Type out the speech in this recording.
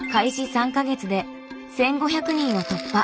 ３か月で１５００人を突破。